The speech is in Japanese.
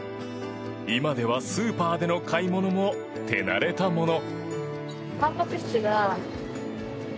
今ではスーパーでの買い物も手慣れたもの。